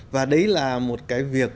và đấy là một cái việc